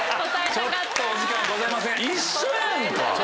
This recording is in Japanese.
ちょっとお時間ございませんので。